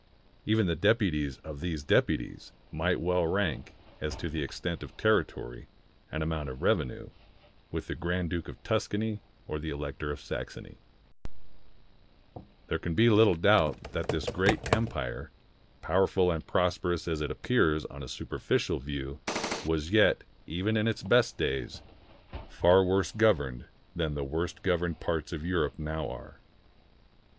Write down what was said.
Even the deputies of these deputies might well rank, as to extent of territory and amount of rev enue, with the Grand Duke of Tuscany or the Elector of Saxony. There can be little doubt that this great empire, powerful and prosperous as it appears on a superficial view, was yet, even in its best days, far worse governed than the worst governed parts of Europe now are.